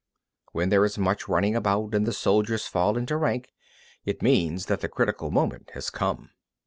27. When there is much running about and the soldiers fall into rank, it means that the critical moment has come.